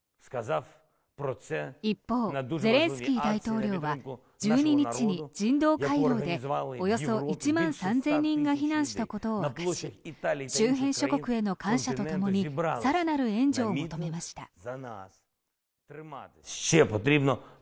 一方、ゼレンスキー大統領は１２日に人道回廊でおよそ１万３０００人が避難したことを明かし周辺諸国への感謝とともに更なる援助を求めました。